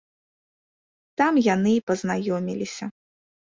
Там яны і пазнаёміліся.